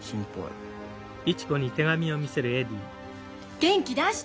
元気出して。